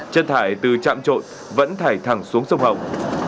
chất thải từ chạm trộn vẫn thải thẳng xuống sông hồng